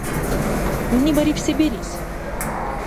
— ХӀуни барибси бирис!